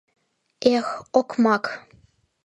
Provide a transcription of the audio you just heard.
Эх, окмак!..»